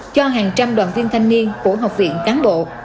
cho hàng trăm đoàn viên thanh niên của học viện cán bộ